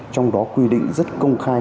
trong đó quy định rất công khai